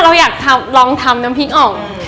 เราอยากลองทำน้ำพริกออก